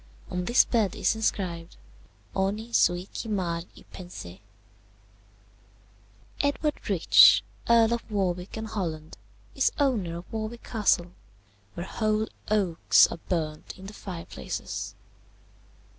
On this bed is inscribed, Honi soit qui mal y pense. "Edward Rich, Earl of Warwick and Holland, is owner of Warwick Castle, where whole oaks are burnt in the fireplaces.